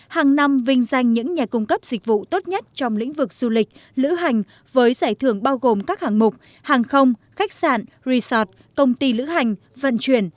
hàng năm vinh danh những nhà cung cấp dịch vụ tốt nhất trong lĩnh vực du lịch lữ hành với giải thưởng bao gồm các hạng mục hàng không khách sạn resort công ty lữ hành vận chuyển